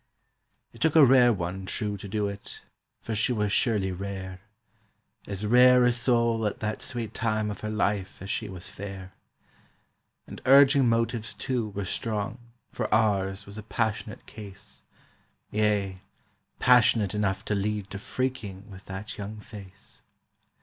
It took a rare one, true, to do it; for she was surely rare— As rare a soul at that sweet time of her life as she was fair. And urging motives, too, were strong, for ours was a passionate case, Yea, passionate enough to lead to freaking with that young face.